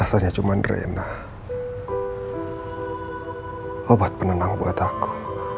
rasanya cuma rendah obat penenang buat aku